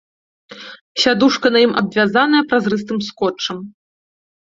Сядушка на ім абвязаная празрыстым скотчам.